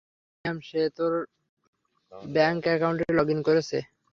Ma'am, সে তার bank অ্যাকাউন্টে লগ ইন করছে।